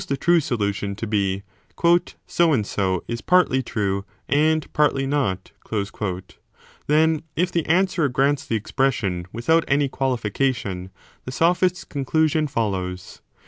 8 t the true solution to be So and so is partly true and partly not V then, if the anwerer grants the expression without 20 any qualification, the sophist s conclusion follows.